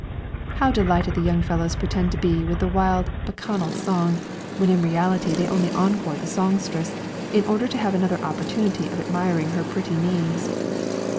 How delighted the young fellows pretend to be with the wild, bacchanal song, when in reality they only encore the songstress, in order to have another opportunity of admiring her pretty knees.